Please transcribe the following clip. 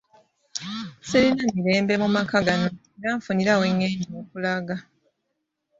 Sirina mirembe mu maka gano era nfunira we ngenda okulaga.